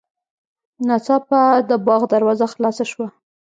ناڅاپه د باغ دروازه خلاصه شوه.